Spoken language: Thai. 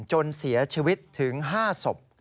จนเสียชีวิตถึง๕ศพ